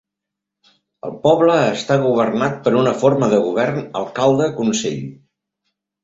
El poble està governat per una forma de govern alcalde-consell.